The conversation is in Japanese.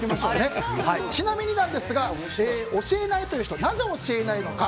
ちなみに、教えないという人なぜ教えないのか。